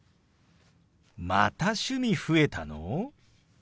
また趣味増えたの！？